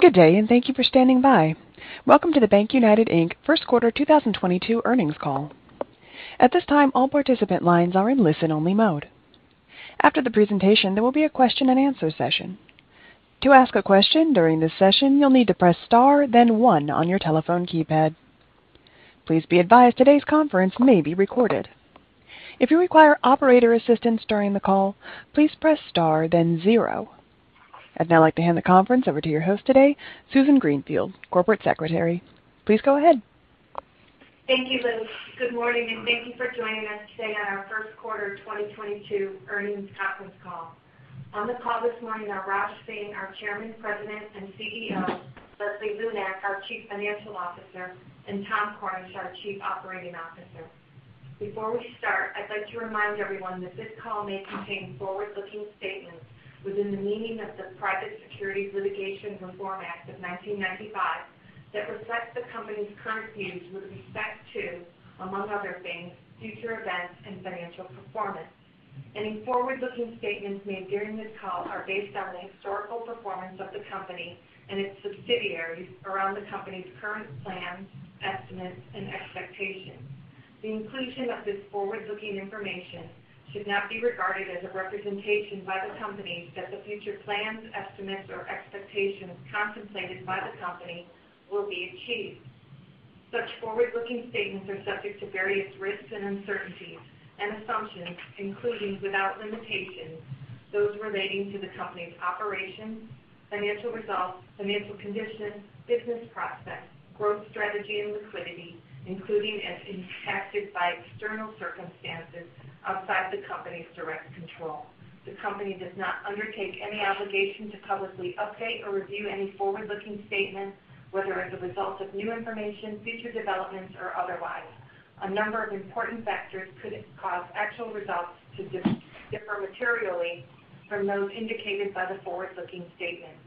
Good day, and thank you for standing by. Welcome to the BankUnited, Inc. first quarter 2022 earnings call. At this time, all participant lines are in listen-only mode. After the presentation, there will be a question-and-answer session. To ask a question during this session, you'll need to press star, then one on your telephone keypad. Please be advised today's conference may be recorded. If you require operator assistance during the call, please press star, then zero. I'd now like to hand the conference over to your host today, Susan Greenfield, Corporate Secretary. Please go ahead. Thank you, Liz. Good morning, and thank you for joining us today on our first quarter 2022 earnings conference call. On the call this morning are Raj Singh, our Chairman, President, and CEO, Leslie Lunak, our Chief Financial Officer, and Tom Cornish, our Chief Operating Officer. Before we start, I'd like to remind everyone that this call may contain forward-looking statements within the meaning of the Private Securities Litigation Reform Act of 1995 that reflect the company's current views with respect to, among other things, future events and financial performance. Any forward-looking statements made during this call are based on the historical performance of the company and its subsidiaries around the company's current plans, estimates, and expectations. The inclusion of this forward-looking information should not be regarded as a representation by the company that the future plans, estimates, or expectations contemplated by the company will be achieved. Such forward-looking statements are subject to various risks and uncertainties and assumptions, including without limitation, those relating to the company's operations, financial results, financial condition, business process, growth strategy, and liquidity, including as impacted by external circumstances outside the company's direct control. The company does not undertake any obligation to publicly update or review any forward-looking statements, whether as a result of new information, future developments, or otherwise. A number of important factors could cause actual results to differ materially from those indicated by the forward-looking statements.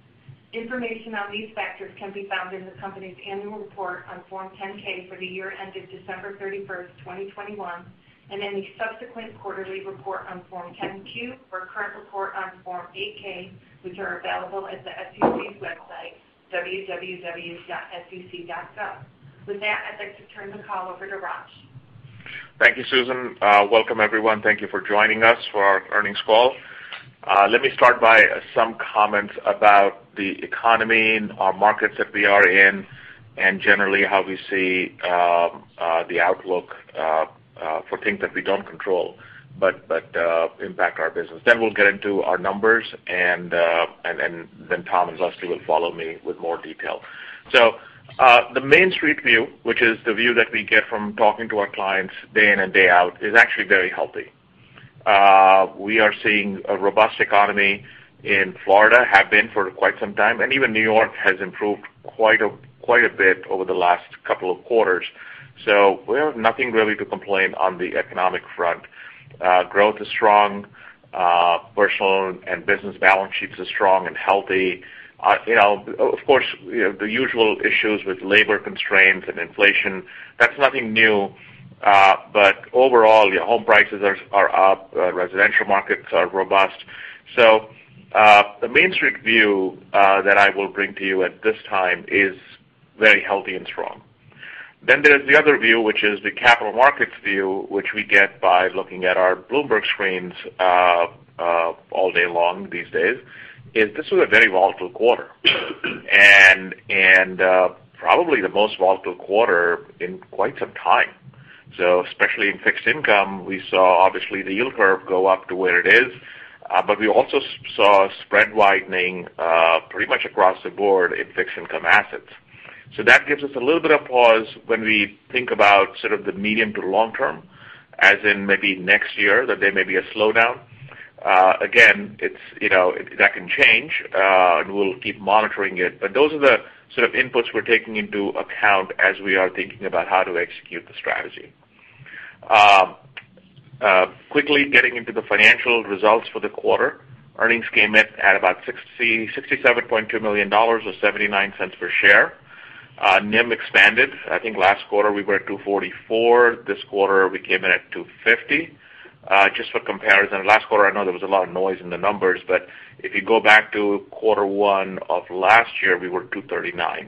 Information on these factors can be found in the company's annual report on Form 10-K for the year ended December 31, 2021, and any subsequent quarterly report on Form 10-Q or current report on Form 8-K, which are available at the SEC's website, www.sec.gov. With that, I'd like to turn the call over to Raj. Thank you, Susan. Welcome, everyone. Thank you for joining us for our earnings call. Let me start by some comments about the economy and our markets that we are in, and generally how we see the outlook for things that we don't control but impact our business. Then we'll get into our numbers, and then Tom and Leslie will follow me with more detail. The main street view, which is the view that we get from talking to our clients day in and day out, is actually very healthy. We are seeing a robust economy in Florida, have been for quite some time, and even New York has improved quite a bit over the last couple of quarters. We have nothing really to complain on the economic front. Growth is strong. Personal and business balance sheets are strong and healthy. You know, of course, you know, the usual issues with labor constraints and inflation, that's nothing new. Overall, home prices are up. Residential markets are robust. The main street view that I will bring to you at this time is very healthy and strong. There's the other view, which is the capital markets view, which we get by looking at our Bloomberg screens all day long these days. This was a very volatile quarter, and probably the most volatile quarter in quite some time. Especially in fixed income, we saw obviously the yield curve go up to where it is, but we also saw spread widening pretty much across the board in fixed income assets. That gives us a little bit of pause when we think about sort of the medium to long term, as in maybe next year that there may be a slowdown. Again, it's, you know, that can change, and we'll keep monitoring it. Those are the sort of inputs we're taking into account as we are thinking about how to execute the strategy. Quickly getting into the financial results for the quarter. Earnings came in at about $67.2 million or $0.79 per share. NIM expanded. I think last quarter we were at 2.44%. This quarter we came in at 2.50%. Just for comparison, last quarter, I know there was a lot of noise in the numbers, but if you go back to quarter one of last year, we were 2.39%.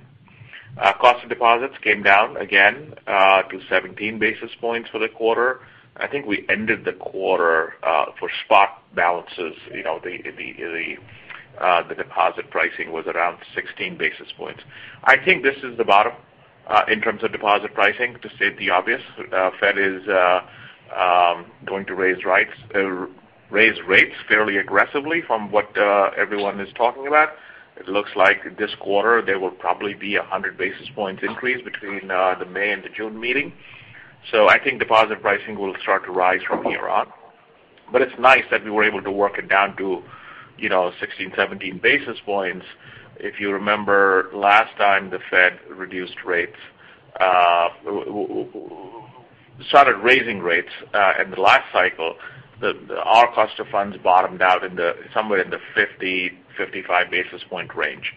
Cost of deposits came down again to 17 basis points for the quarter. I think we ended the quarter for spot balances, you know, the deposit pricing was around 16 basis points. I think this is the bottom in terms of deposit pricing to state the obvious. Fed is going to raise rates fairly aggressively from what everyone is talking about. It looks like this quarter there will probably be a 100 basis points increase between the May and the June meeting. I think deposit pricing will start to rise from here on. It's nice that we were able to work it down to, you know, 16, 17 basis points. If you remember, last time the Fed started raising rates in the last cycle, our cost of funds bottomed out somewhere in the 50-55 basis point range.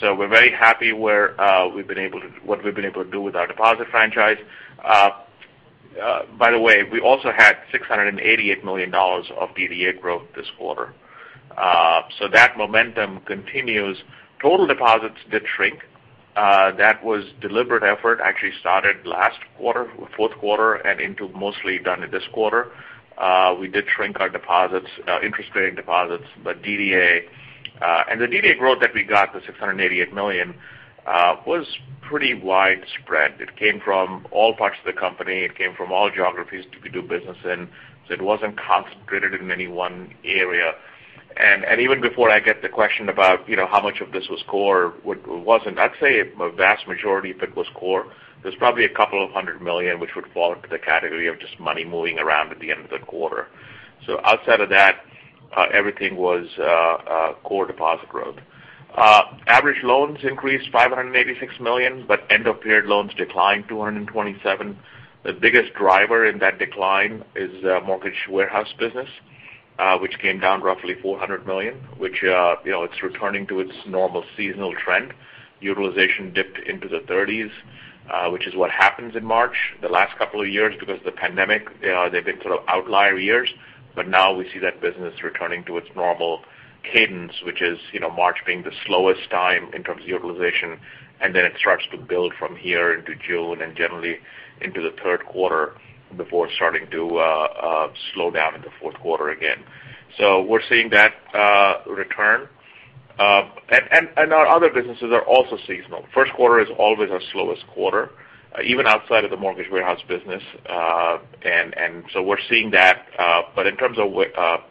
We're very happy with what we've been able to do with our deposit franchise. By the way, we also had $688 million of DDA growth this quarter. That momentum continues. Total deposits did shrink. That was deliberate effort, actually started last quarter, fourth quarter, and into mostly done in this quarter. We did shrink our deposits, interest-bearing deposits, but DDA. The DDA growth that we got, the $688 million, was pretty widespread. It came from all parts of the company. It came from all geographies that we do business in, so it wasn't concentrated in any one area. Even before I get the question about, you know, how much of this was core or what wasn't, I'd say a vast majority of it was core. There's probably a couple of 100 million which would fall into the category of just money moving around at the end of the quarter. Outside of that, everything was core deposit growth. Average loans increased $586 million, but end-of-period loans declined $227 million. The biggest driver in that decline is the mortgage warehouse business, which came down roughly $400 million, which, you know, it's returning to its normal seasonal trend. Utilization dipped into the 30s, which is what happens in March. The last couple of years because of the pandemic, they've been sort of outlier years. Now we see that business returning to its normal cadence, which is, you know, March being the slowest time in terms of utilization, and then it starts to build from here into June and generally into the third quarter before starting to slow down in the fourth quarter again. We're seeing that return. Our other businesses are also seasonal. First quarter is always our slowest quarter, even outside of the Mortgage Warehouse business. We're seeing that. In terms of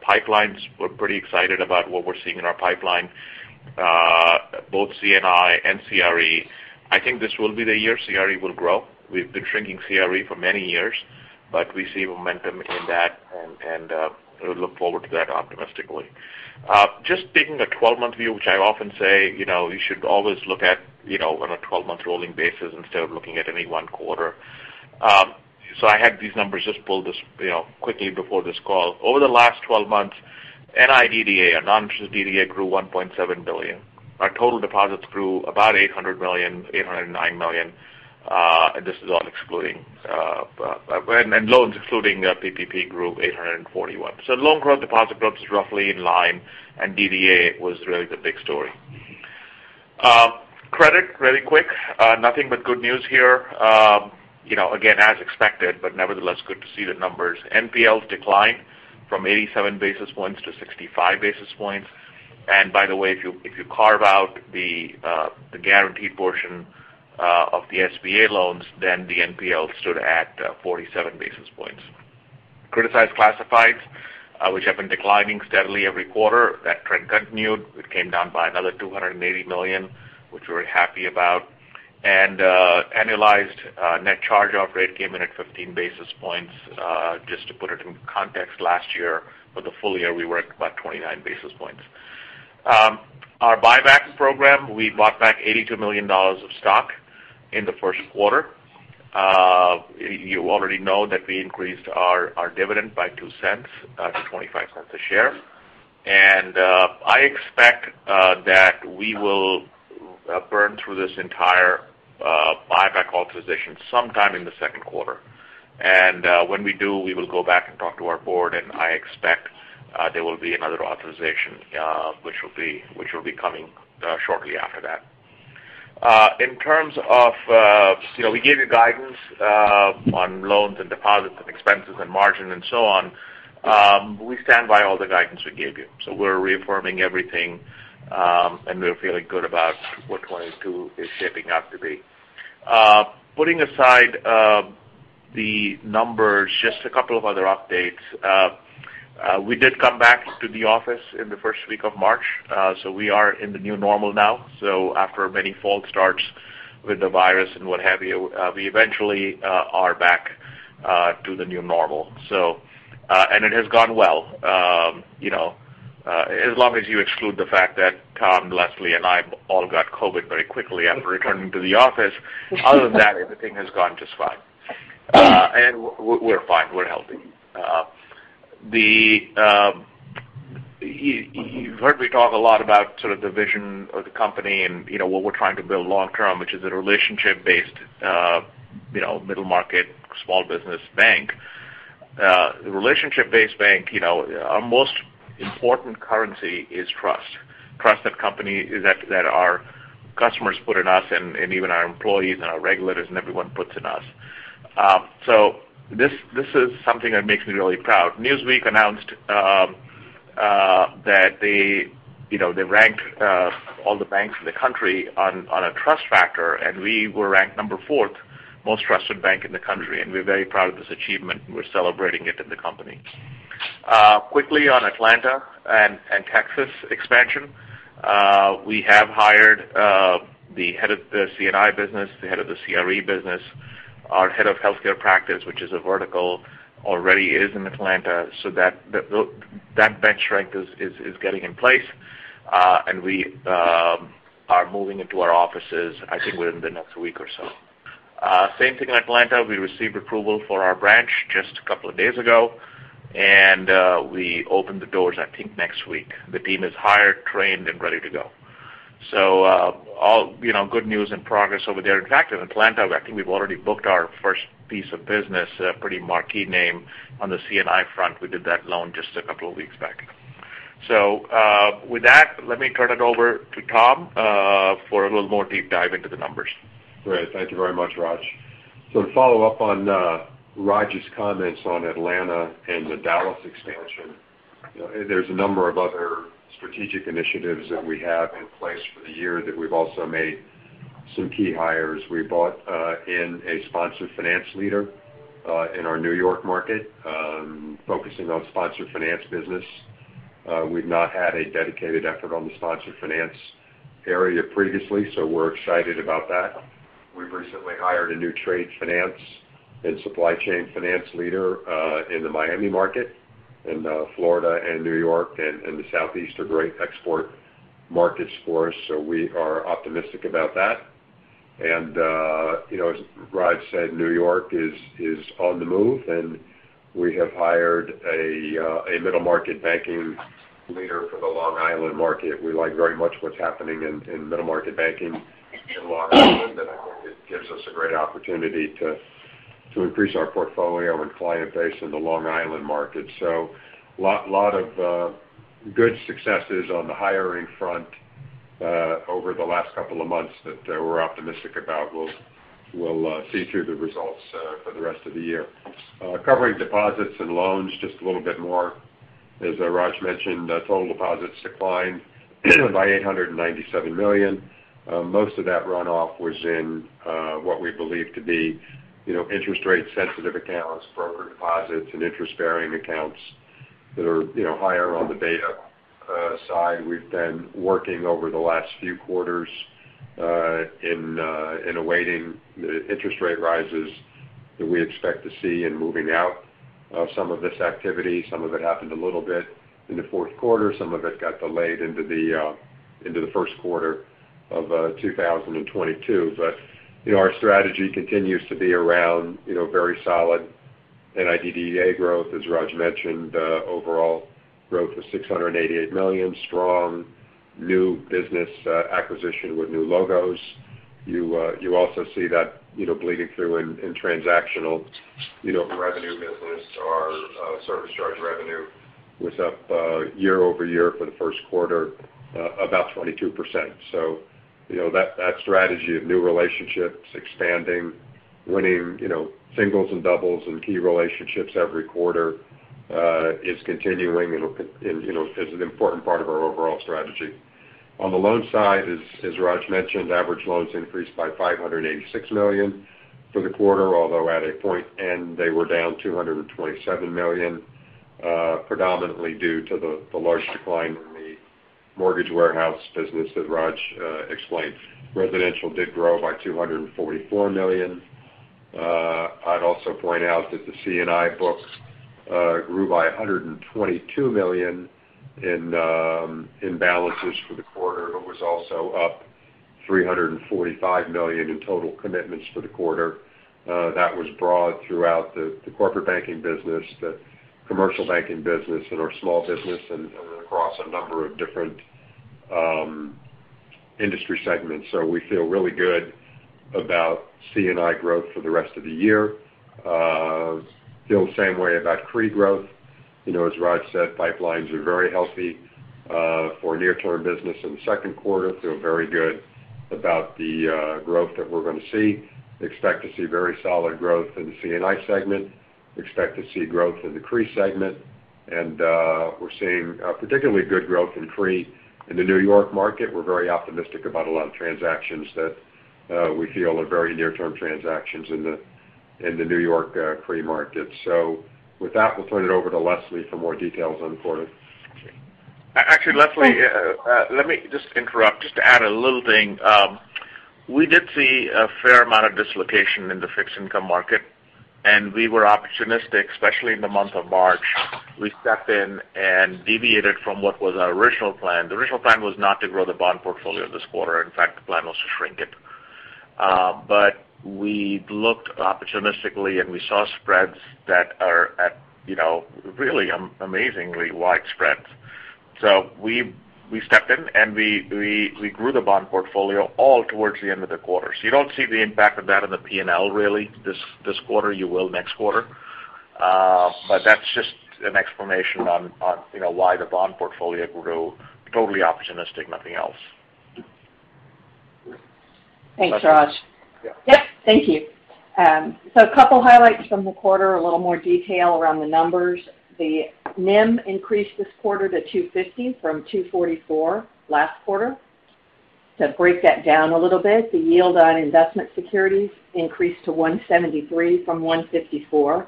pipelines, we're pretty excited about what we're seeing in our pipeline, both C&I and CRE. I think this will be the year CRE will grow. We've been shrinking CRE for many years, but we see momentum in that and we look forward to that optimistically. Just taking a 12-month view, which I often say, you know, you should always look at, you know, on a 12-month rolling basis instead of looking at any one quarter. So I had these numbers just pulled this, you know, quickly before this call. Over the last 12 months, NI DDA, our non-interest DDA grew $1.7 billion. Our total deposits grew about $800 million, $809 million, and this is all excluding loans excluding PPP grew $841 million. So loan growth, deposit growth is roughly in line, and DDA was really the big story. Credit, really quick. Nothing but good news here. You know, again, as expected, but nevertheless, good to see the numbers. NPLs declined from 87 basis points to 65 basis points. By the way, if you carve out the guaranteed portion of the SBA loans, then the NPL stood at 47 basis points. Criticized classifieds, which have been declining steadily every quarter, that trend continued. It came down by another $280 million, which we're happy about. Annualized net charge-off rate came in at 15 basis points. Just to put it in context last year, for the full year, we were at about 29 basis points. Our buyback program, we bought back $82 million of stock in the first quarter. You already know that we increased our dividend by 2 cents to 25 cents a share. I expect that we will burn through this entire buyback authorization sometime in the second quarter. When we do, we will go back and talk to our board, and I expect there will be another authorization which will be coming shortly after that. In terms of, you know, we gave you guidance on loans and deposits and expenses and margin and so on. We stand by all the guidance we gave you. We're reaffirming everything, and we're feeling good about what 2022 is shaping up to be. Putting aside the numbers, just a couple of other updates. We did come back to the office in the first week of March, so we are in the new normal now. After many false starts with the virus and what have you, we eventually are back to the new normal. It has gone well. You know, as long as you exclude the fact that Tom, Leslie, and I all got COVID very quickly after returning to the office. Other than that, everything has gone just fine. We're fine. We're healthy. You've heard me talk a lot about sort of the vision of the company and, you know, what we're trying to build long term, which is a relationship based middle market, small business bank. Relationship based bank, you know, our most important currency is trust. Trust that our customers put in us and even our employees and our regulators and everyone puts in us. This is something that makes me really proud. Newsweek announced that they, you know, they ranked all the banks in the country on a trust factor, and we were ranked number fourth most trusted bank in the country. We're very proud of this achievement. We're celebrating it in the company. Quickly on Atlanta and Texas expansion. We have hired the Head of the C&I business, the Head of the CRE business. Our Head of healthcare practice, which is a vertical, already is in Atlanta, so that bench strength is getting in place. We are moving into our offices, I think within the next week or so. Same thing in Atlanta. We received approval for our branch just a couple of days ago, and we open the doors, I think, next week. The team is hired, trained, and ready to go. All, you know, good news and progress over there. In fact, in Atlanta, I think we've already booked our first piece of business, a pretty marquee name on the C&I front. We did that loan just a couple of weeks back. With that, let me turn it over to Tom for a little more deep dive into the numbers. Great. Thank you very much, Raj. To follow up on Raj's comments on Atlanta and the Dallas expansion, you know, there's a number of other strategic initiatives that we have in place for the year that we've also made some key hires. We brought in a sponsor finance leader in our New York market, focusing on sponsor finance business. We've not had a dedicated effort on the sponsor finance area previously, so we're excited about that. We've recently hired a new trade finance and supply chain finance leader in the Miami market, and Florida and New York and the Southeast are great export markets for us, so we are optimistic about that. You know, as Raj said, New York is on the move, and we have hired a middle market banking leader for the Long Island market. We like very much what's happening in middle market banking in Long Island, and I think it gives us a great opportunity to increase our portfolio and client base in the Long Island market. So lot of good successes on the hiring front over the last couple of months that we're optimistic about. We'll see through the results for the rest of the year. Covering deposits and loans just a little bit more. As Raj mentioned, total deposits declined by $897 million. Most of that runoff was in what we believe to be, you know, interest rate sensitive accounts, broker deposits, and interest-bearing accounts that are, you know, higher on the beta side. We've been working over the last few quarters in anticipating the interest rate rises that we expect to see, and moving out of some of this activity. Some of it happened a little bit in the fourth quarter. Some of it got delayed into the first quarter of 2022. Our strategy continues to be around, you know, very solid NIM, DDA growth. As Raj mentioned, overall growth was $688 million, strong new business acquisition with new logos. You also see that, you know, bleeding through in transactional revenue business. Our service charge revenue was up year-over-year for the first quarter about 22%. That strategy of new relationships expanding, winning singles and doubles and key relationships every quarter is continuing and is an important part of our overall strategy. On the loan side, as Raj mentioned, average loans increased by $586 million for the quarter, although at a point they were down $227 million, predominantly due to the large decline in the Mortgage Warehouse business that Raj explained. Residential did grow by $244 million. I'd also point out that the C&I books grew by $122 million in balances for the quarter. It was also up $345 million in total commitments for the quarter. That was broad throughout the corporate banking business, the commercial banking business, and our small business and across a number of different industry segments. We feel really good about C&I growth for the rest of the year. We feel the same way about CRE growth. You know, as Raj said, pipelines are very healthy for near-term business in the second quarter. We feel very good about the growth that we're going to see. We expect to see very solid growth in the C&I segment. We expect to see growth in the CRE segment. We're seeing particularly good growth in CRE in the New York market. We're very optimistic about a lot of transactions that we feel are very near-term transactions in the New York CRE market. With that, we'll turn it over to Leslie for more details on the quarter. Actually, Leslie, let me just interrupt just to add a little thing. We did see a fair amount of dislocation in the fixed income market, and we were opportunistic, especially in the month of March. We stepped in and deviated from what was our original plan. The original plan was not to grow the bond portfolio this quarter. In fact, the plan was to shrink it. We looked opportunistically, and we saw spreads that are at, you know, really amazingly wide spreads. We stepped in, and we grew the bond portfolio all towards the end of the quarter. You don't see the impact of that in the P&L really this quarter. You will next quarter. That's just an explanation on, you know, why the bond portfolio grew. Totally opportunistic, nothing else. Thanks, Raj. Yeah. Yep, thank you. A couple highlights from the quarter, a little more detail around the numbers. The NIM increased this quarter to 2.50% from 2.44% last quarter. To break that down a little bit, the yield on investment securities increased to 1.73% from 1.54%.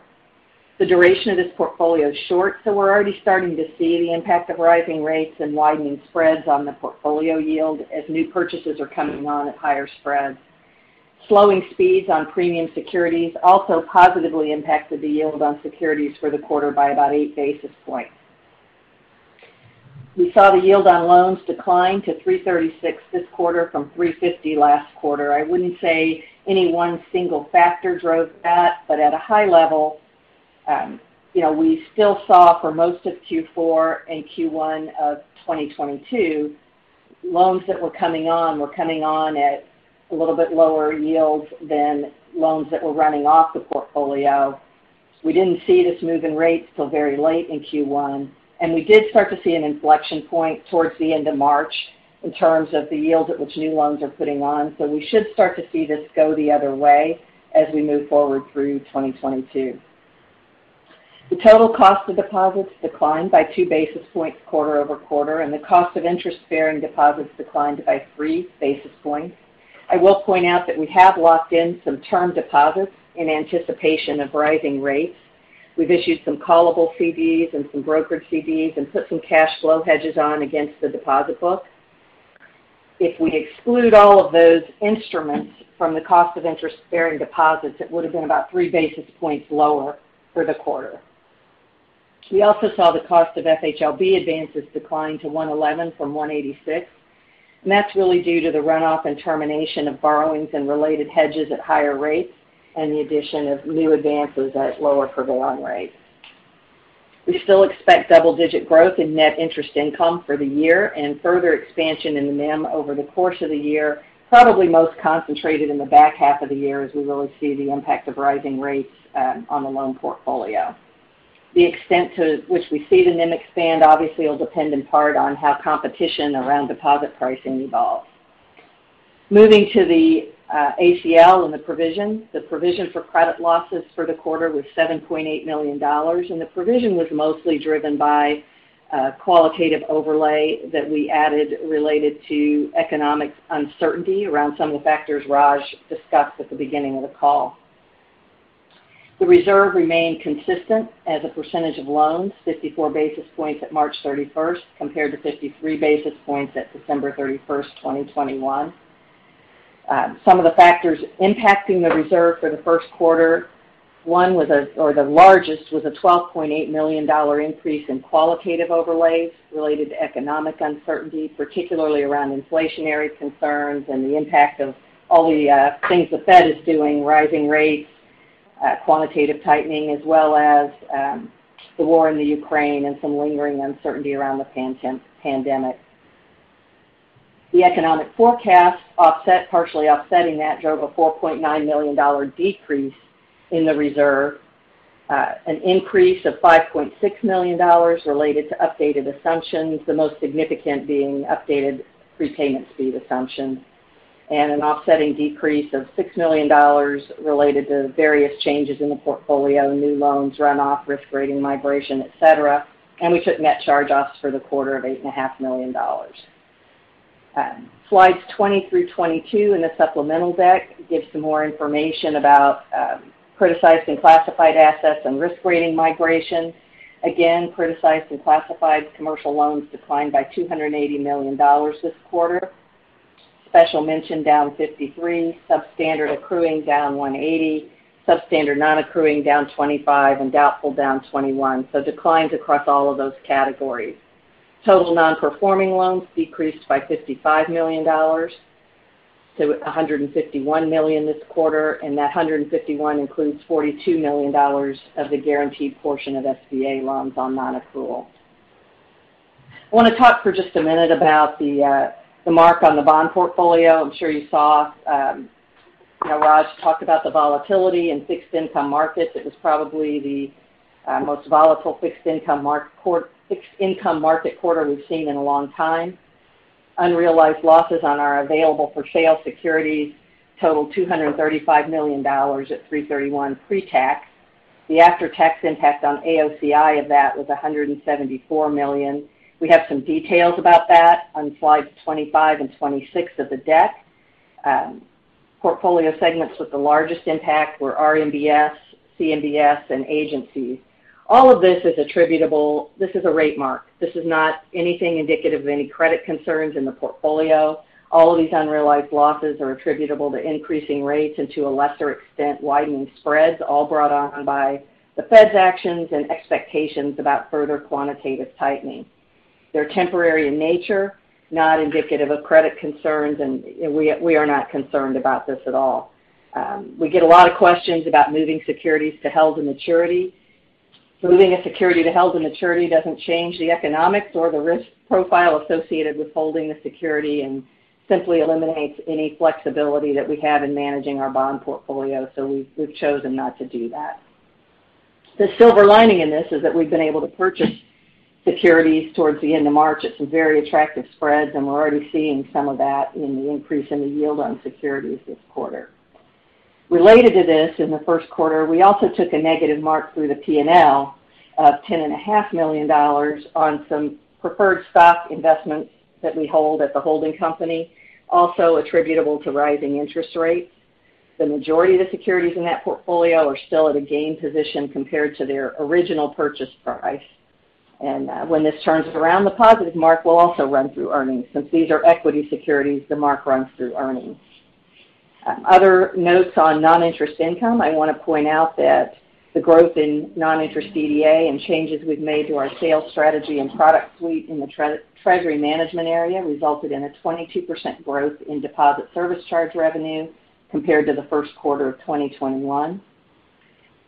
The duration of this portfolio is short, so we're already starting to see the impact of rising rates and widening spreads on the portfolio yield as new purchases are coming on at higher spreads. Slowing speeds on premium securities also positively impacted the yield on securities for the quarter by about 8 basis points. We saw the yield on loans decline to 3.36% this quarter from 3.50% last quarter. I wouldn't say any one single factor drove that, but at a high level, you know, we still saw for most of Q4 and Q1 of 2022, loans that were coming on were coming on at a little bit lower yields than loans that were running off the portfolio. We didn't see this move in rates till very late in Q1, and we did start to see an inflection point towards the end of March in terms of the yield at which new loans are putting on. We should start to see this go the other way as we move forward through 2022. The total cost of deposits declined by 2 basis points quarter-over-quarter, and the cost of interest-bearing deposits declined by 3 basis points. I will point out that we have locked in some term deposits in anticipation of rising rates. We've issued some callable CDs and some brokered CDs and put some cash flow hedges on against the deposit book. If we exclude all of those instruments from the cost of interest-bearing deposits, it would've been about 3 basis points lower for the quarter. We also saw the cost of FHLB advances decline to 111 from 186, and that's really due to the runoff and termination of borrowings and related hedges at higher rates and the addition of new advances at lower prevailing rates. We still expect double-digit growth in net interest income for the year and further expansion in the NIM over the course of the year, probably most concentrated in the back half of the year as we really see the impact of rising rates on the loan portfolio. The extent to which we see the NIM expand obviously will depend in part on how competition around deposit pricing evolves. Moving to the ACL and the provision. The provision for credit losses for the quarter was $7.8 million, and the provision was mostly driven by a qualitative overlay that we added related to economic uncertainty around some of the factors Raj discussed at the beginning of the call. The reserve remained consistent as a percentage of loans, 54 basis points at March 31st compared to 53 basis points at December 31st, 2021. Some of the factors impacting the reserve for the first quarter, one was or the largest was a $12.8 million increase in qualitative overlays related to economic uncertainty, particularly around inflationary concerns and the impact of all the things the Fed is doing, rising rates, quantitative tightening, as well as the war in Ukraine and some lingering uncertainty around the pandemic. The economic forecast, partially offsetting that, drove a $4.9 million decrease in the reserve. An increase of $5.6 million related to updated assumptions, the most significant being updated prepayment speed assumptions. An offsetting decrease of $6 million related to various changes in the portfolio, new loans, runoff, risk rating migration, et cetera. We took net charge-offs for the quarter of $8.5 million. Slides 20 through 22 in the supplemental deck give some more information about criticized and classified assets and risk rating migrations. Again, criticized and classified commercial loans declined by $280 million this quarter. Special mention down $53 million. Substandard accruing down $180 million. Substandard non-accruing down $25 million, and doubtful down $21 million. Declines across all of those categories. Total non-performing loans decreased by $55 million to $151 million this quarter, and that 151 includes $42 million of the guaranteed portion of SBA loans on non-accrual. I wanna talk for just a minute about the mark on the bond portfolio. I'm sure you saw, you know, Raj talk about the volatility in fixed income markets. It was probably the most volatile fixed income market quarter we've seen in a long time. Unrealized losses on our available for sale securities totaled $235 million at 3/31 pre-tax. The after-tax impact on AOCI of that was $174 million. We have some details about that on slides 25 and 26 of the deck. Portfolio segments with the largest impact were RMBS, CMBS, and agencies. All of this is attributable, this is a rate mark. This is not anything indicative of any credit concerns in the portfolio. All of these unrealized losses are attributable to increasing rates and to a lesser extent, widening spreads, all brought on by the Fed's actions and expectations about further quantitative tightening. They're temporary in nature, not indicative of credit concerns, and we are not concerned about this at all. We get a lot of questions about moving securities to held-to-maturity. Moving a security to held-to-maturity doesn't change the economics or the risk profile associated with holding the security and simply eliminates any flexibility that we have in managing our bond portfolio. We've chosen not to do that. The silver lining in this is that we've been able to purchase securities towards the end of March at some very attractive spreads, and we're already seeing some of that in the increase in the yield on securities this quarter. Related to this, in the first quarter, we also took a negative mark through the P&L of $10.5 million on some preferred stock investments that we hold at the holding company, also attributable to rising interest rates. The majority of the securities in that portfolio are still at a gain position compared to their original purchase price. When this turns around, the positive mark will also run through earnings. Since these are equity securities, the mark runs through earnings. Other notes on non-interest income, I wanna point out that the growth in non-interest DDA and changes we've made to our sales strategy and product suite in the treasury management area resulted in a 22% growth in deposit service charge revenue compared to the first quarter of 2021.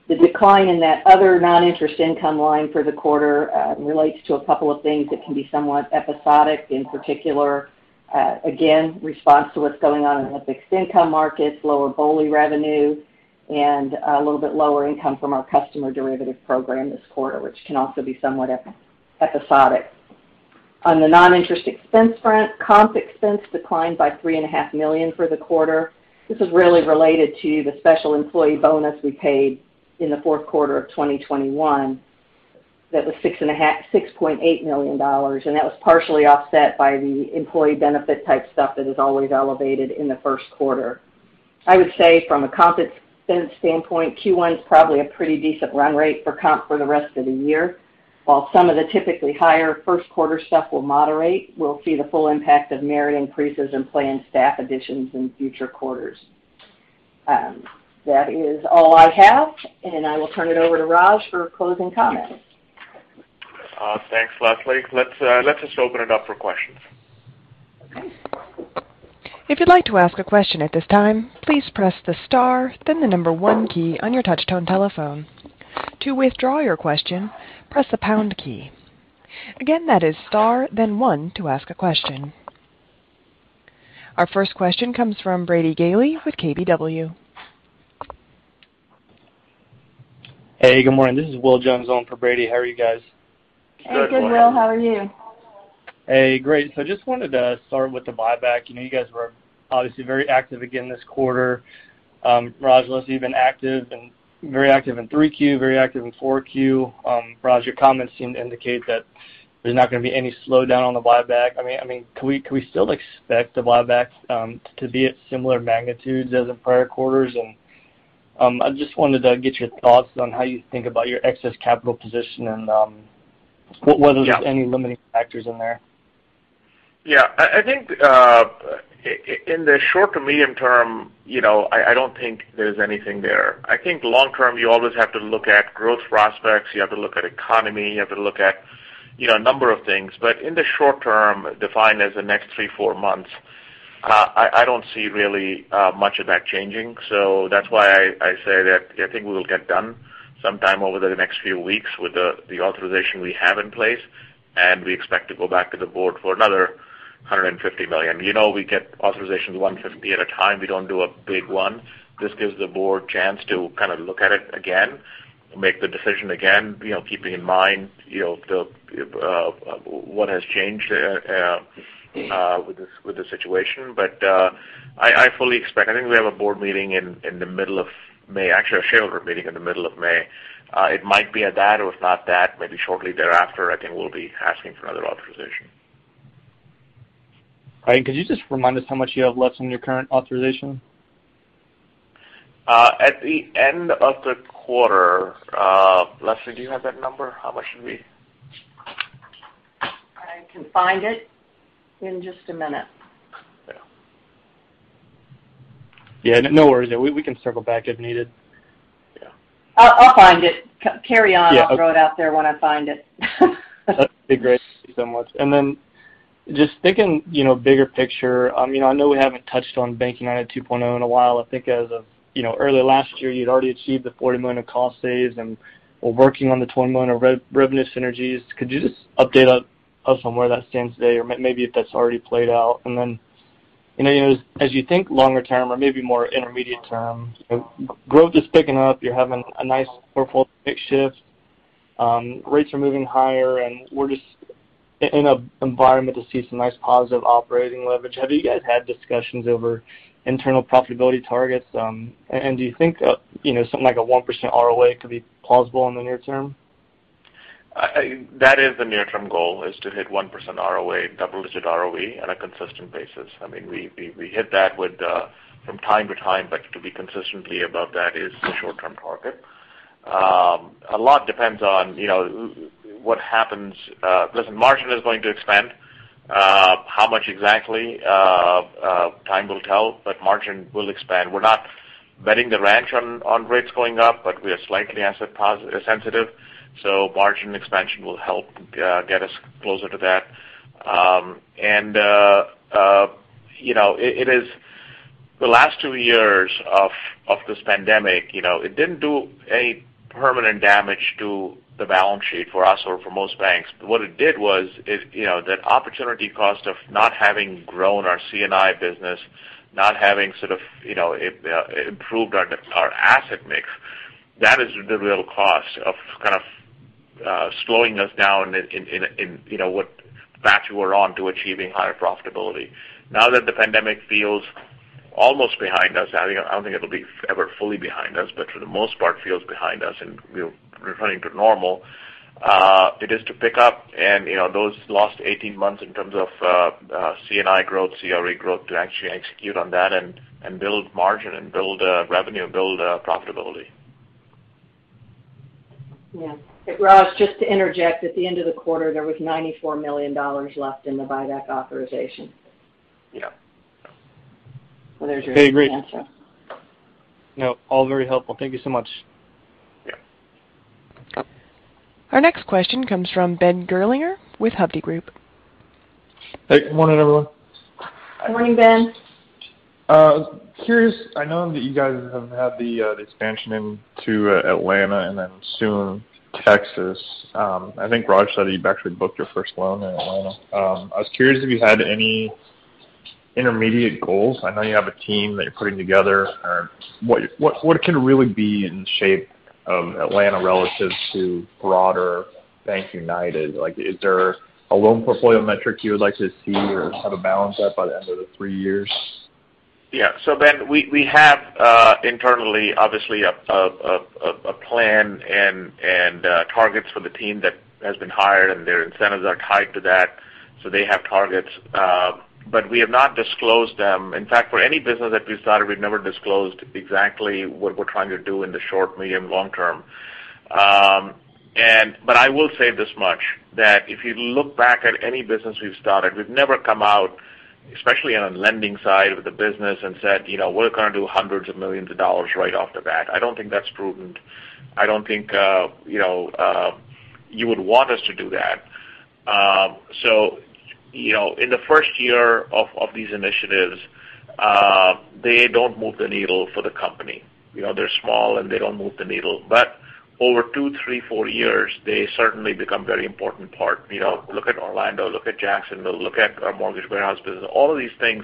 The decline in that other non-interest income line for the quarter relates to a couple of things that can be somewhat episodic, in particular, again, response to what's going on in the fixed income markets, lower BOLI revenue, and a little bit lower income from our customer derivative program this quarter, which can also be somewhat episodic. On the non-interest expense front, comp expense declined by $3.5 million for the quarter. This is really related to the special employee bonus we paid in the fourth quarter of 2021 that was $6.8 million, and that was partially offset by the employee benefit type stuff that is always elevated in the first quarter. I would say from a comp expense standpoint, Q1 is probably a pretty decent run rate for comp for the rest of the year. While some of the typically higher first quarter stuff will moderate, we'll see the full impact of merit increases and planned staff additions in future quarters. That is all I have, and I will turn it over to Raj for closing comments. Thanks, Leslie. Let's just open it up for questions. Okay. Our first question comes from Brady Gailey with KBW. Hey, good morning. This is [Woody Lay] in for Brady. How are you guys? Hey, good, Will. How are you? Hey, great. So I just wanted to start with the buyback. You know, you guys were obviously very active again this quarter. Raj, last year you've been very active in 3Q, very active in 4Q. Raj, your comments seem to indicate that there's not gonna be any slowdown on the buyback. I mean, can we still expect the buyback to be at similar magnitudes as in prior quarters? I just wanted to get your thoughts on how you think about your excess capital position and what- Yeah whether there's any limiting factors in there? Yeah. I think in the short to medium term, you know, I don't think there's anything there. I think long term, you always have to look at growth prospects, you have to look at economy, you have to look at, you know, a number of things. In the short term, defined as the next three to four months, I don't see really much of that changing. That's why I say that I think we will get done sometime over the next few weeks with the authorization we have in place, and we expect to go back to the board for another $150 million. You know we get authorizations 150 at a time. We don't do a big one. This gives the board chance to kind of look at it again, make the decision again, you know, keeping in mind, you know, the what has changed with the situation. I fully expect. I think we have a board meeting in the middle of May, actually a shareholder meeting in the middle of May. It might be at that, or if not that, maybe shortly thereafter, I think we'll be asking for another authorization. Right. Could you just remind us how much you have left on your current authorization? At the end of the quarter, Leslie, do you have that number? How much did we I can find it in just a minute. Yeah. Yeah. No worries. We can circle back if needed. Yeah. I'll find it. Yeah. Carry on. I'll throw it out there when I find it. That'd be great. Thank you so much. Just thinking, you know, bigger picture, I know we haven't touched on BankUnited 2.0 in a while. I think as of early last year, you'd already achieved the $40 million in cost saves and were working on the $20 million of revenue synergies. Could you just update us on where that stands today or maybe if that's already played out? You know, as you think longer term or maybe more intermediate term, growth is picking up. You're having a nice portfolio mix shift. Rates are moving higher, and we're just in an environment to see some nice positive operating leverage. Have you guys had discussions over internal profitability targets? Do you think, you know, something like a 1% ROA could be plausible in the near term? That is the near-term goal, is to hit 1% ROA, double-digit ROE on a consistent basis. I mean, we hit that from time to time, but to be consistently above that is the short-term target. A lot depends on, you know, what happens. Listen, margin is going to expand. How much exactly, time will tell, but margin will expand. We're not betting the ranch on rates going up, but we are slightly asset-sensitive, so margin expansion will help get us closer to that. You know, it is the last two years of this pandemic, you know, it didn't do any permanent damage to the balance sheet for us or for most banks. What it did was, you know, that opportunity cost of not having grown our C&I business, not having sort of, you know, improved our asset mix, that is the real cost of kind of slowing us down in, you know, what path we're on to achieving higher profitability. Now that the pandemic feels almost behind us, I mean, I don't think it'll be ever fully behind us, but for the most part feels behind us and we're returning to normal, it is to pick up and, you know, those last 18 months in terms of C&I growth, CRE growth to actually execute on that and build margin and build revenue, build profitability. Yeah. Raj, just to interject, at the end of the quarter, there was $94 million left in the buyback authorization. Yeah. There's your answer. Okay, great. No, all very helpful. Thank you so much. Yeah. Our next question comes from Ben Gerlinger with Hovde Group. Hey, good morning, everyone. Good morning, Ben. I'm curious, I know that you guys have had the expansion into Atlanta and then soon Texas. I think Raj said that you've actually booked your first loan in Atlanta. I was curious if you had any intermediate goals. I know you have a team that you're putting together. Or what can really be in shape of Atlanta relative to broader BankUnited? Like, is there a loan portfolio metric you would like to see or have a balance at by the end of the three years? Yeah. Ben, we have internally, obviously a plan and targets for the team that has been hired, and their incentives are tied to that, so they have targets. We have not disclosed them. In fact, for any business that we started, we've never disclosed exactly what we're trying to do in the short, medium, long term. I will say this much, that if you look back at any business we've started, we've never come out, especially on the lending side of the business, and said, you know, we're gonna do hundreds of millions of dollars right off the bat. I don't think that's prudent. I don't think you know, you would want us to do that. You know, in the first year of these initiatives, they don't move the needle for the company. You know, they're small, and they don't move the needle. Over two, three, four years, they certainly become very important part. You know, look at Orlando, look at Jacksonville, look at our Mortgage Warehouse business. All of these things,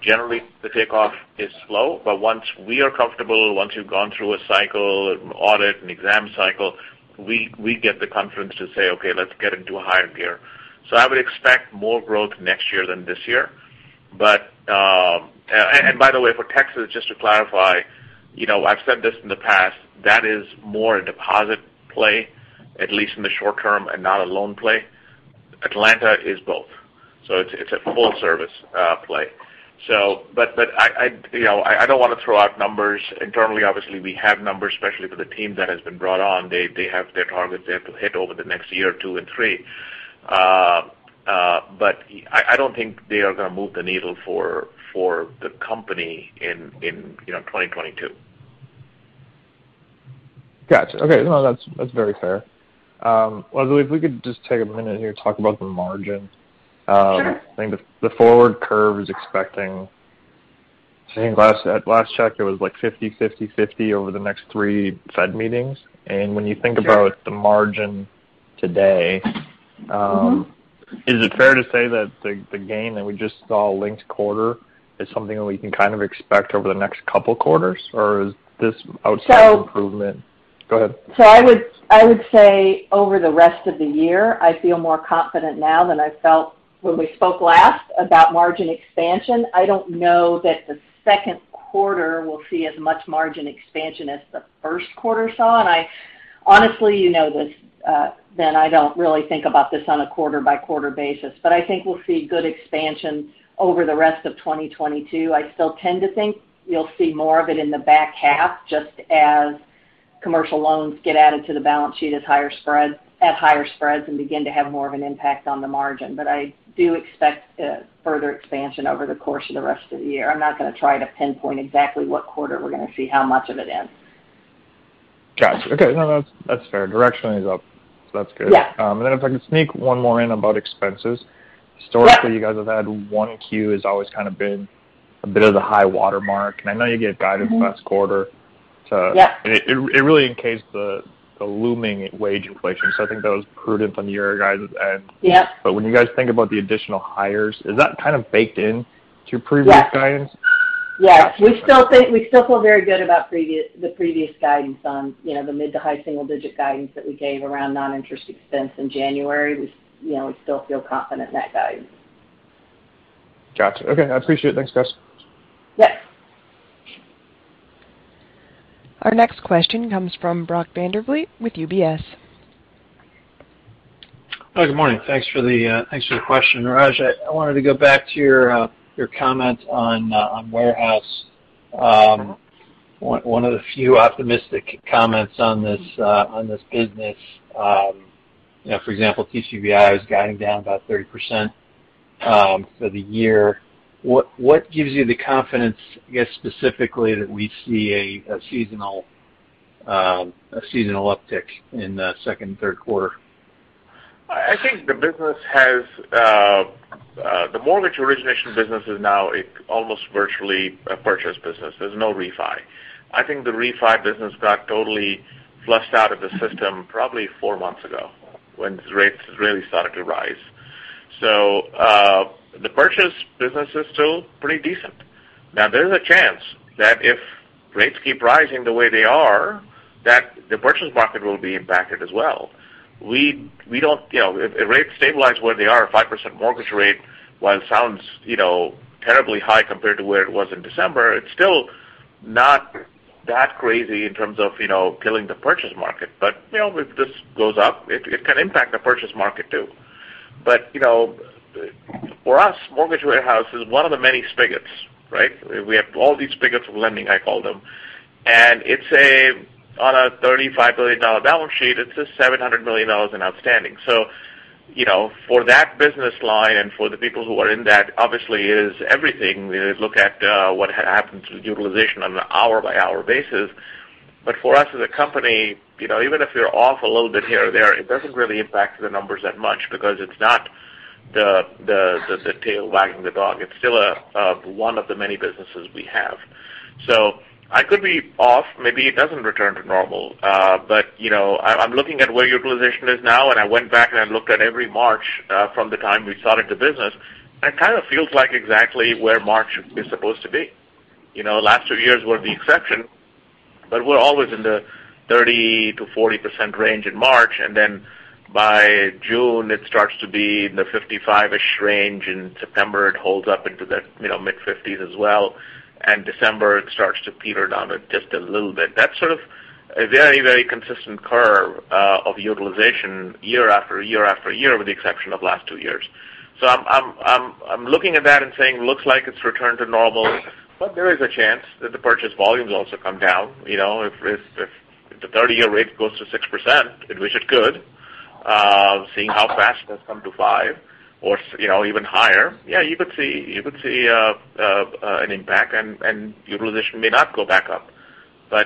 generally the takeoff is slow, but once we are comfortable, once you've gone through a cycle, an audit, an exam cycle, we get the confidence to say, "Okay, let's get into a higher gear." I would expect more growth next year than this year. And by the way, for Texas, just to clarify, you know, I've said this in the past, that is more a deposit play, at least in the short term, and not a loan play. Atlanta is both, so it's a full service play. You know, I don't wanna throw out numbers. Internally, obviously, we have numbers, especially for the team that has been brought on. They have their targets, they have to hit over the next year, two, and three. I don't think they are gonna move the needle for the company in, you know, 2022. Gotcha. Okay. No, that's very fair. Leslie, if we could just take a minute here, talk about the margin. Sure. I think the forward curve is expecting. I think last check it was, like, 50, 50 over the next three Fed meetings. When you think about the margin today. Is it fair to say that the gain that we just saw linked quarter is something that we can kind of expect over the next couple quarters? Or is this outsize improvement? So- Go ahead. I would say over the rest of the year, I feel more confident now than I felt when we spoke last about margin expansion. I don't know that the second quarter will see as much margin expansion as the first quarter saw. Honestly, you know this, Ben, I don't really think about this on a quarter-by-quarter basis. I think we'll see good expansion over the rest of 2022. I still tend to think you'll see more of it in the back half, just as commercial loans get added to the balance sheet at higher spreads and begin to have more of an impact on the margin. I do expect further expansion over the course of the rest of the year. I'm not gonna try to pinpoint exactly what quarter we're gonna see how much of it in. Gotcha. Okay. No, that's fair. Directionally is up, so that's good. Yeah. If I could sneak one more in about expenses. Yeah. Historically, you guys have had Q1 has always kind of been a bit of the high watermark. I know you gave guidance last quarter to- Yeah. It really encased the looming wage inflation, so I think that was prudent on your guidance end. Yeah. When you guys think about the additional hires, is that kind of baked in to previous guidance? Yes. We still feel very good about the previous guidance on, you know, the mid to high single digit guidance that we gave around non-interest expense in January. You know, we still feel confident in that guidance. Gotcha. Okay, I appreciate it. Thanks, guys. Yes. Our next question comes from Brock Vandervliet with UBS. Hi. Good morning. Thanks for the question, Raj. I wanted to go back to your comment on Warehouse. One of the few optimistic comments on this business. You know, for example, TCBI is guiding down about 30% for the year. What gives you the confidence, I guess, specifically that we see a seasonal uptick in the second and third quarter? The mortgage origination business is now almost virtually a purchase business. There's no refi. I think the refi business got totally flushed out of the system probably four months ago when rates really started to rise. The purchase business is still pretty decent. There's a chance that if rates keep rising the way they are, that the purchase market will be impacted as well. You know, if rates stabilize where they are, 5% mortgage rate, while it sounds, you know, terribly high compared to where it was in December, it's still not that crazy in terms of, you know, killing the purchase market. You know, if this goes up, it can impact the purchase market too. You know, for us, Mortgage Warehouse is one of the many spigots, right? We have all these spigots of lending, I call them. It's a, on a $35 billion balance sheet, it's $700 million in outstanding. You know, for that business line and for the people who are in that, obviously it is everything. They look at what happens with utilization on an hour-by-hour basis. For us as a company, you know, even if you're off a little bit here or there, it doesn't really impact the numbers that much because it's not the tail wagging the dog. It's still one of the many businesses we have. I could be off, maybe it doesn't return to normal. You know, I'm looking at where utilization is now, and I went back and I looked at every March from the time we started the business, and it kind of feels like exactly where March is supposed to be. You know, last two years were the exception, but we're always in the 30%-40% range in March, and then by June it starts to be in the 55-ish% range. In September, it holds up into the mid-50s% as well. December, it starts to peter down just a little bit. That's sort of a very, very consistent curve of utilization year after year after year with the exception of last two years. I'm looking at that and saying, looks like it's returned to normal. There is a chance that the purchase volumes also come down. You know, if the 30-year rate goes to 6%, which it could, seeing how fast it has come to 5% or so, you know, even higher, yeah, you could see an impact and utilization may not go back up.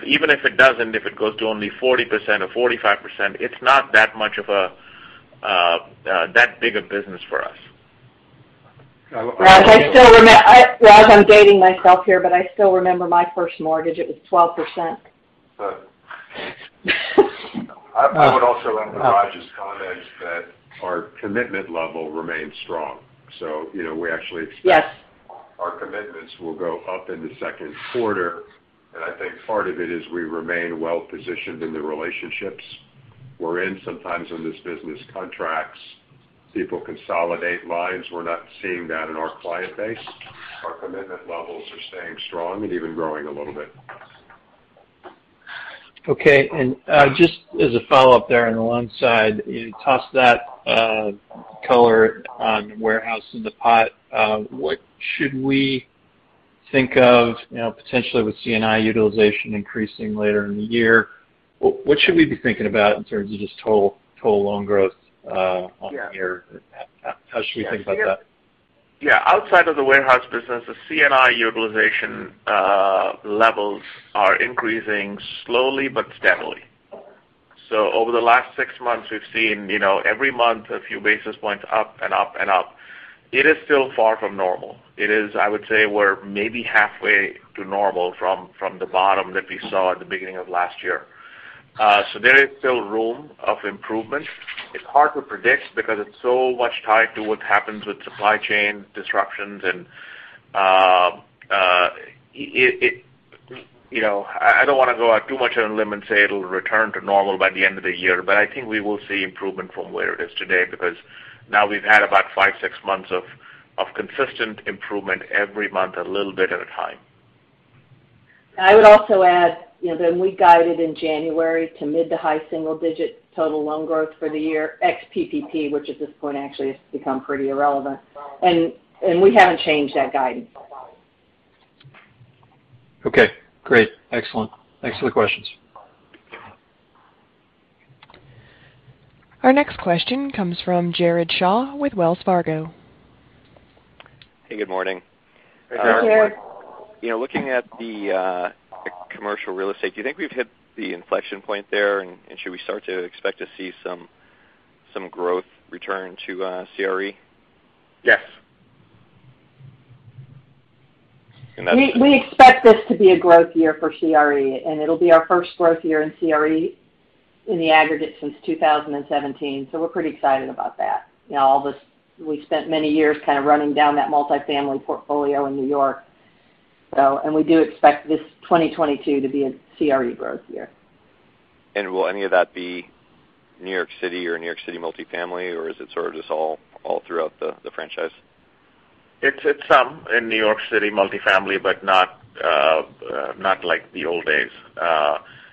Even if it doesn't, if it goes to only 40% or 45%, it's not that much of a that big a business for us. Raj, I'm dating myself here, but I still remember my first mortgage. It was 12%. I would also add to Raj's comment that our commitment level remains strong. You know, we actually expect Our commitments will go up in the second quarter. I think part of it is we remain well positioned in the relationships we're in. Sometimes in this business contracts, people consolidate lines. We're not seeing that in our client base. Our commitment levels are staying strong and even growing a little bit. Okay. Just as a follow-up there on the loan side, you tossed that color on warehouse in the pot. What should we think of, you know, potentially with C&I utilization increasing later in the year? What should we be thinking about in terms of just total loan growth on the year? How should we think about that? Yeah. Outside of the warehouse business, the C&I utilization levels are increasing slowly but steadily. Over the last six months, we've seen, you know, every month a few basis points up. It is still far from normal. It is, I would say, we're maybe halfway to normal from the bottom that we saw at the beginning of last year. There is still room for improvement. It's hard to predict because it's so much tied to what happens with supply chain disruptions. you know, I don't want to go out too much on a limb and say it'll return to normal by the end of the year, but I think we will see improvement from where it is today because now we've had about five, six months of consistent improvement every month, a little bit at a time. I would also add, you know, that we guided in January to mid to high single digit total loan growth for the year, ex PPP, which at this point actually has become pretty irrelevant. We haven't changed that guidance. Okay, great. Excellent. Thanks for the questions. Our next question comes from Jared Shaw with Wells Fargo. Hey, good morning. Good morning. Jared. You know, looking at the commercial real estate, do you think we've hit the inflection point there? Should we start to expect to see some growth return to CRE? Yes. And that's- We expect this to be a growth year for CRE, and it'll be our first growth year in CRE in the aggregate since 2017. We're pretty excited about that. You know, all this, we spent many years kind of running down that multifamily portfolio in New York. We do expect this 2022 to be a CRE growth year. Will any of that be New York City or New York City multifamily, or is it sort of just all throughout the franchise? It's some in New York City multifamily, but not like the old days.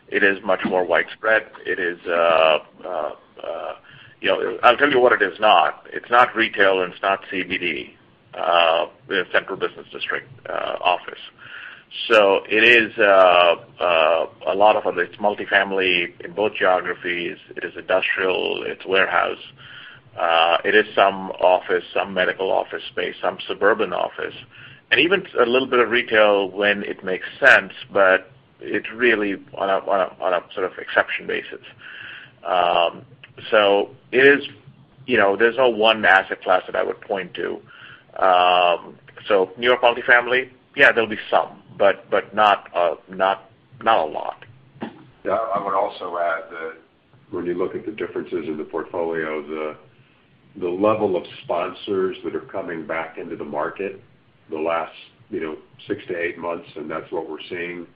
It is much more widespread. I'll tell you what it is not. It's not retail and it's not CBD, you know, central business district, office. It is a lot of other. It's multifamily in both geographies. It is industrial. It's warehouse. It is some office, some medical office space, some suburban office, and even a little bit of retail when it makes sense, but it's really on a sort of exception basis. It is, you know, there's no one asset class that I would point to. New York multifamily? Yeah, there'll be some, but not a lot. Yeah. I would also add that when you look at the differences in the portfolio, the level of sponsors that are coming back into the market the last, you know, six to eight months, and that's what we're seeing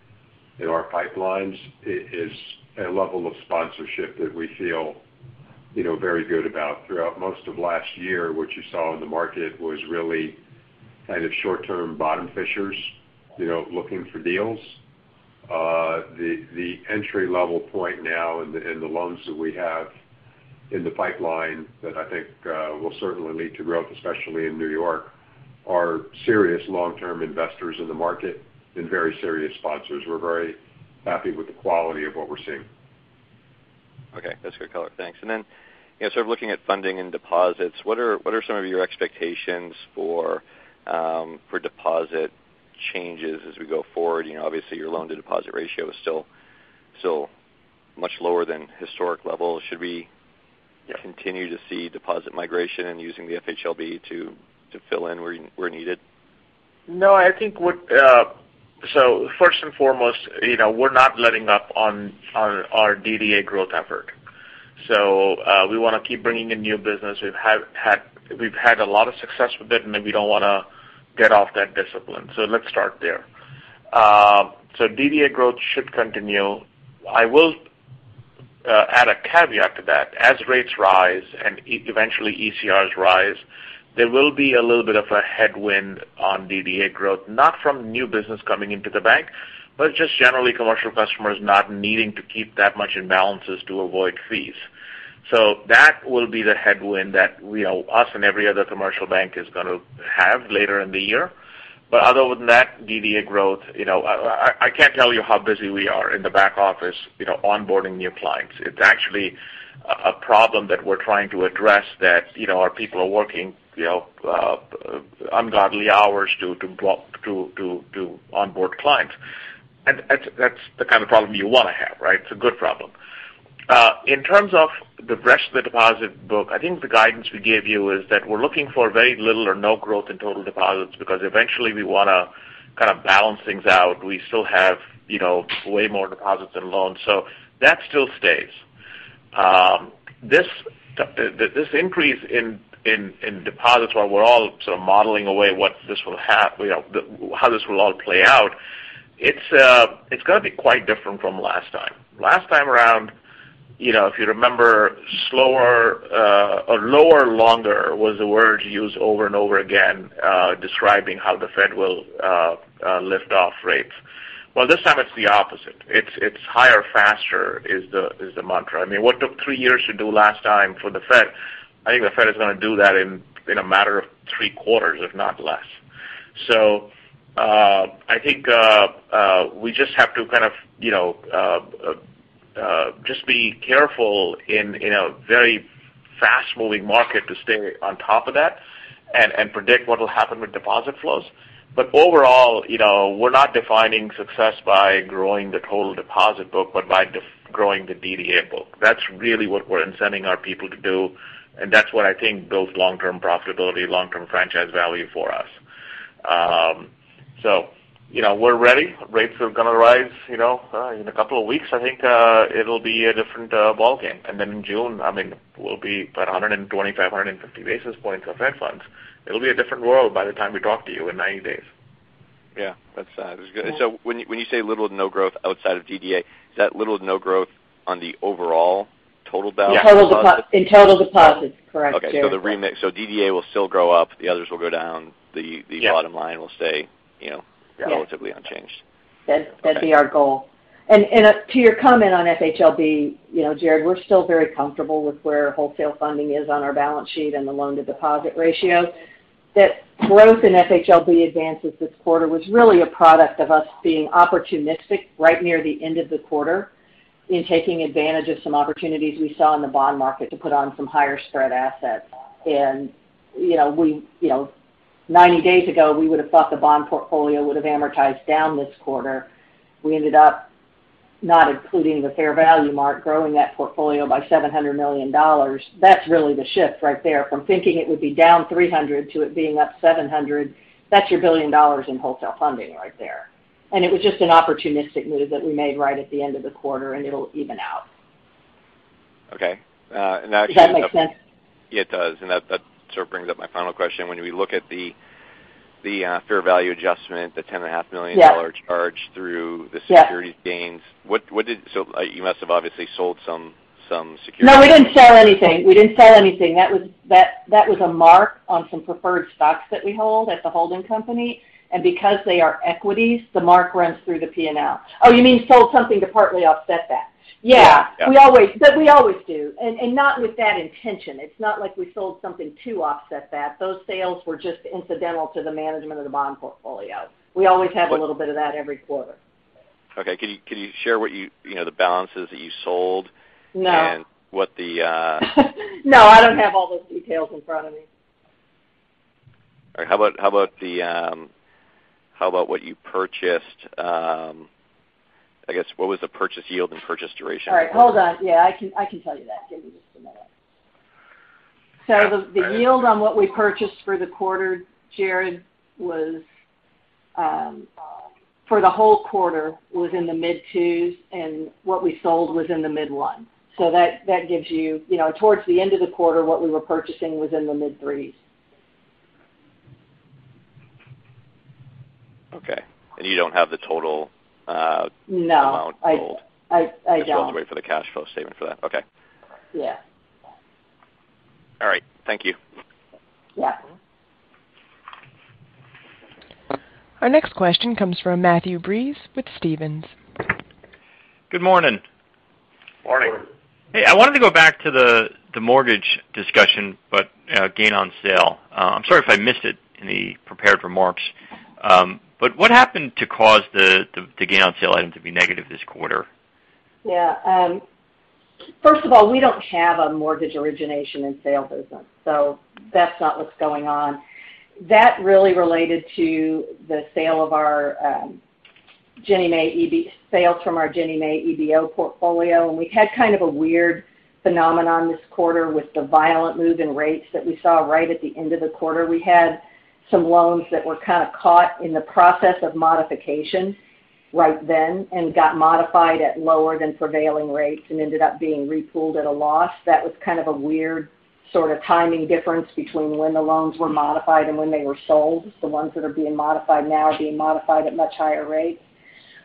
in our pipelines, is a level of sponsorship that we feel, you know, very good about. Throughout most of last year, what you saw in the market was really kind of short-term bottom fishers, you know, looking for deals. The entry-level point now in the loans that we have in the pipeline that I think will certainly lead to growth, especially in New York, are serious long-term investors in the market and very serious sponsors. We're very happy with the quality of what we're seeing. Okay, that's good color. Thanks. Then, you know, sort of looking at funding and deposits, what are some of your expectations for deposit changes as we go forward? You know, obviously, your loan to deposit ratio is still much lower than historic levels. Should we continue to see deposit migration and using the FHLB to fill in where needed? No, I think so first and foremost, you know, we're not letting up on our DDA growth effort. We wanna keep bringing in new business. We've had a lot of success with it, and then we don't wanna get off that discipline. Let's start there. DDA growth should continue. I will add a caveat to that. As rates rise and eventually ECRs rise, there will be a little bit of a headwind on DDA growth, not from new business coming into the bank, but just generally commercial customers not needing to keep that much in balances to avoid fees. That will be the headwind that we all, us and every other commercial bank is gonna have later in the year. Other than that, DDA growth, you know, I can't tell you how busy we are in the back office, you know, onboarding new clients. It's actually a problem that we're trying to address that, you know, our people are working, you know, ungodly hours to onboard clients. That's the kind of problem you wanna have, right? It's a good problem. In terms of the rest of the deposit book, I think the guidance we gave you is that we're looking for very little or no growth in total deposits because eventually we wanna kind of balance things out. We still have, you know, way more deposits than loans. That still stays. This increase in deposits while we're all sort of modeling away what this will have, you know, how this will all play out, it's gonna be quite different from last time. Last time around, you know, if you remember slower or lower longer was the word used over and over again describing how the Fed will lift off rates. Well, this time it's the opposite. It's higher faster is the mantra. I mean, what took three years to do last time for the Fed, I think the Fed is gonna do that in a matter of three quarters, if not less. I think we just have to kind of, you know, just be careful in a very fast-moving market to stay on top of that and predict what will happen with deposit flows. Overall, you know, we're not defining success by growing the total deposit book, but by growing the DDA book. That's really what we're incenting our people to do, and that's what I think builds long-term profitability, long-term franchise value for us. You know, we're ready. Rates are gonna rise, you know. In a couple of weeks, I think, it'll be a different ballgame. In June, I mean, we'll be about 125-150 basis points of Fed funds. It'll be a different world by the time we talk to you in 90 days. Yeah. That's good. When you say little to no growth outside of DDA, is that little to no growth on the overall total balance- Yeah. In total deposits. Correct, Jared. Okay. DDA will still grow up. The others will go down. Yes Bottom line will stay, you know relatively unchanged. That'd be our goal. To your comment on FHLB, you know, Jared, we're still very comfortable with where wholesale funding is on our balance sheet and the loan to deposit ratio. That growth in FHLB advances this quarter was really a product of us being opportunistic right near the end of the quarter in taking advantage of some opportunities we saw in the bond market to put on some higher spread assets. You know, 90 days ago, we would have thought the bond portfolio would have amortized down this quarter. We ended up not including the fair value mark, growing that portfolio by $700 million. That's really the shift right there from thinking it would be down $300 million to it being up $700 million. That's your $1 billion in wholesale funding right there. It was just an opportunistic move that we made right at the end of the quarter, and it'll even out. Okay. Does that make sense? Yeah, it does. That sort of brings up my final question. When we look at the fair value adjustment, the $10.5 million dollar charge through the securities gains. So you must have obviously sold some securities. No, we didn't sell anything. That was a mark on some preferred stocks that we hold at the holding company. Because they are equities, the mark runs through the P&L. Oh, you mean sold something to partly offset that? Yeah. Yeah. We always do, and not with that intention. It's not like we sold something to offset that. Those sales were just incidental to the management of the bond portfolio. We always have a little bit of that every quarter. Okay. Can you share what, you know, the balances that you sold- No... and what the, uh- No, I don't have all those details in front of me. All right. How about what you purchased? I guess what was the purchase yield and purchase duration? All right. Hold on. Yeah, I can tell you that. Give me just a minute. The yield on what we purchased for the quarter, Jared, was for the whole quarter in the mid-2s, and what we sold was in the mid-1s. That gives you know, towards the end of the quarter, what we were purchasing was in the mid-3s. Okay. You don't have the total. No amount sold. I don't. Just want to wait for the cash flow statement for that. Okay. Yeah. All right. Thank you. Yeah. Our next question comes from Matthew Breese with Stephens. Good morning. Morning. Hey, I wanted to go back to the mortgage discussion, but gain on sale. I'm sorry if I missed it in the prepared remarks, but what happened to cause the gain on sale item to be negative this quarter? Yeah. First of all, we don't have a mortgage origination and sales business, so that's not what's going on. That really related to the sale of our Ginnie Mae EBO sales from our Ginnie Mae EBO portfolio. We had kind of a weird phenomenon this quarter with the violent move in rates that we saw right at the end of the quarter. We had some loans that were kind of caught in the process of modification right then and got modified at lower than prevailing rates and ended up being re-pooled at a loss. That was kind of a weird sort of timing difference between when the loans were modified and when they were sold. The ones that are being modified now are being modified at much higher rates.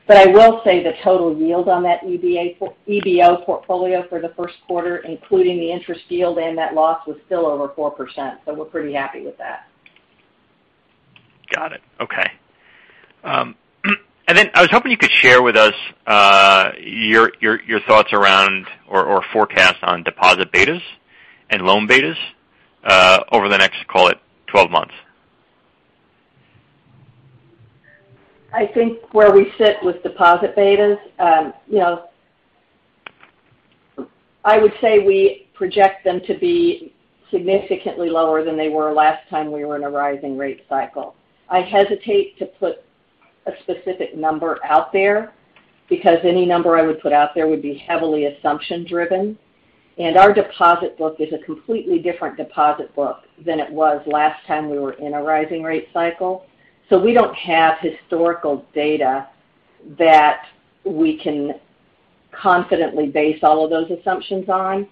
I will say the total yield on that EBO portfolio for the first quarter, including the interest yield and that loss, was still over 4%, so we're pretty happy with that. Got it. Okay. Then I was hoping you could share with us your thoughts around or forecast on deposit betas and loan betas over the next, call it, 12 months. I think where we sit with deposit betas, you know, I would say we project them to be significantly lower than they were last time we were in a rising rate cycle. I hesitate to put a specific number out there because any number I would put out there would be heavily assumption driven, and our deposit book is a completely different deposit book than it was last time we were in a rising rate cycle. We don't have historical data that we can confidently base all of those assumptions on.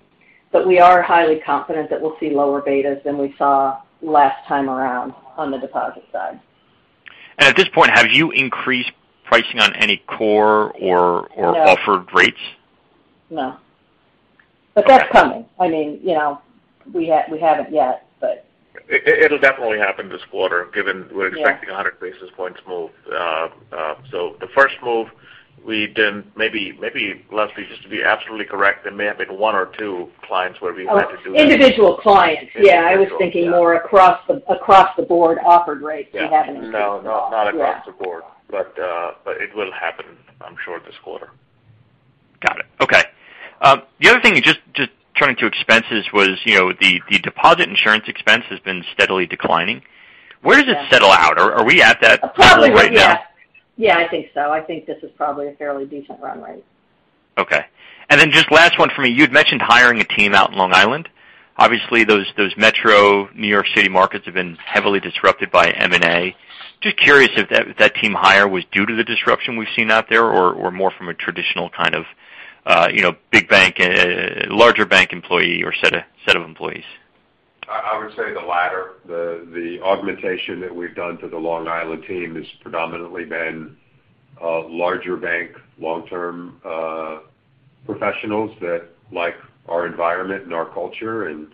We are highly confident that we'll see lower betas than we saw last time around on the deposit side. At this point, have you increased pricing on any core or offered rates? No. That's coming. I mean, you know, we haven't yet, but. It'll definitely happen this quarter, given we're expecting 100 basis points move. The first move we did, maybe Leslie just to be absolutely correct, there may have been one or two clients where we had to do that. Individual clients. Yeah, I was thinking more across the board offered rates. We haven't seen. No, not across the board. It will happen, I'm sure, this quarter. Got it. Okay. The other thing, just turning to expenses was, you know, the deposit insurance expense has been steadily declining. Where does it settle out? Are we at that level right now? Probably, yeah. Yeah, I think so. I think this is probably a fairly decent run rate. Okay. Then just last one for me. You'd mentioned hiring a team out in Long Island. Obviously, those metro New York City markets have been heavily disrupted by M&A. Just curious if that team hire was due to the disruption we've seen out there or more from a traditional kind of, you know, big bank and larger bank employee or set of employees. I would say the latter. The augmentation that we've done to the Long Island team has predominantly been larger bank long-term professionals that like our environment and our culture and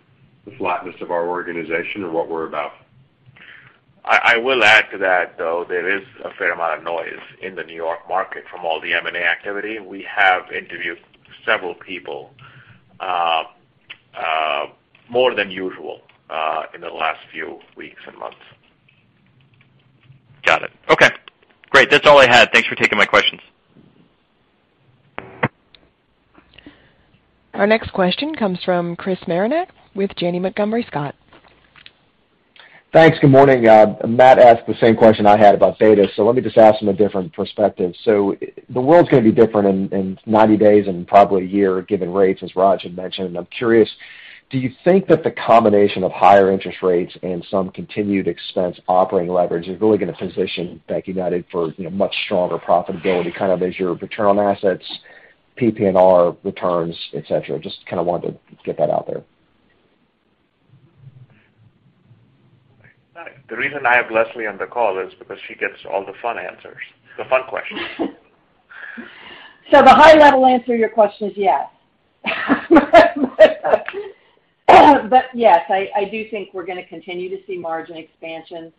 the flatness of our organization and what we're about. I will add to that, though, there is a fair amount of noise in the New York market from all the M&A activity. We have interviewed several people, more than usual, in the last few weeks and months. Got it. Okay. Great. That's all I had. Thanks for taking my questions. Our next question comes from Chris Marinac with Janney Montgomery Scott. Thanks. Good morning. Matt asked the same question I had about beta, so let me just ask from a different perspective. The world's gonna be different in 90 days and probably a year given rates, as Raj had mentioned. I'm curious, do you think that the combination of higher interest rates and some continued expense operating leverage is really gonna position BankUnited for, you know, much stronger profitability, kind of as your return on assets, PPNR returns, et cetera? Just kind of wanted to get that out there. The reason I have Leslie on the call is because she gets all the fun answers, the fun questions. The high-level answer to your question is yes. Yes, I do think we're gonna continue to see margin expansion.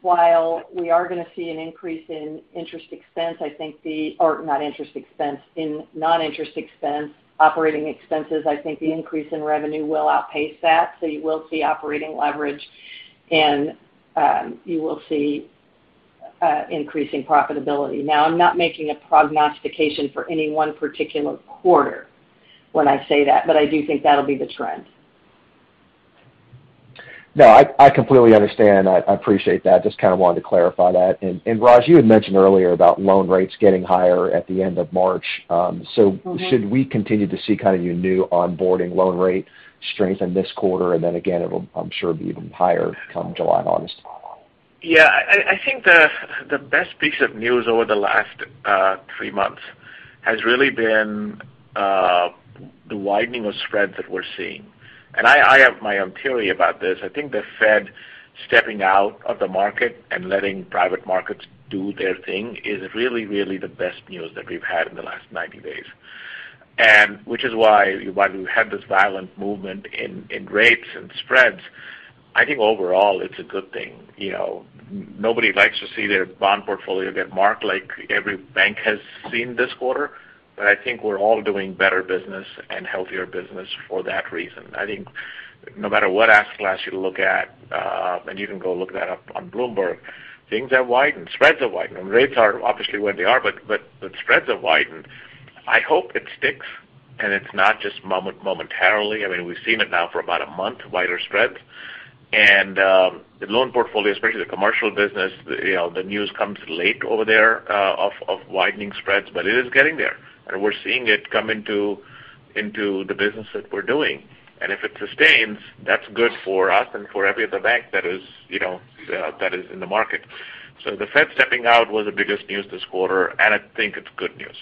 While we are gonna see an increase in interest expense, I think or not interest expense, in non-interest expense, operating expenses, I think the increase in revenue will outpace that. You will see operating leverage and you will see increasing profitability. Now, I'm not making a prognostication for any one particular quarter when I say that, but I do think that'll be the trend. No, I completely understand. I appreciate that. Just kind of wanted to clarify that. Raj, you had mentioned earlier about loan rates getting higher at the end of March. Should we continue to see kind of your new onboarding loan rate strengthen this quarter and then again, it'll, I'm sure be even higher come July and August? Yeah. I think the best piece of news over the last three months has really been the widening of spreads that we're seeing. I have my own theory about this. I think the Fed stepping out of the market and letting private markets do their thing is really the best news that we've had in the last 90 days. Which is why, while we've had this violent movement in rates and spreads, I think overall it's a good thing. You know, nobody likes to see their bond portfolio get marked like every bank has seen this quarter, but I think we're all doing better business and healthier business for that reason. I think no matter what ACLs you look at, and you can go look that up on Bloomberg, things have widened. Spreads have widened. Rates are obviously what they are, but the spreads have widened. I hope it sticks, and it's not just momentarily. I mean, we've seen it now for about a month, wider spreads. The loan portfolio, especially the commercial business, you know, the news comes late over there of widening spreads, but it is getting there. We're seeing it come into the business that we're doing. If it sustains, that's good for us and for every other bank that is, you know, that is in the market. The Fed stepping out was the biggest news this quarter, and I think it's good news.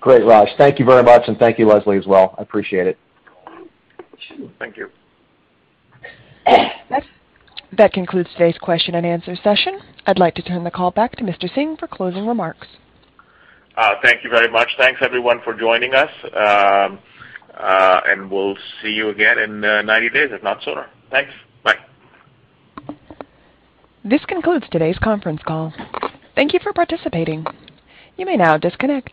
Great, Raj. Thank you very much, and thank you, Leslie, as well. I appreciate it. Thank you. That concludes today's question and answer session. I'd like to turn the call back to Mr. Singh for closing remarks. Thank you very much. Thanks, everyone, for joining us. We'll see you again in 90 days, if not sooner. Thanks. Bye. This concludes today's conference call. Thank you for participating. You may now disconnect.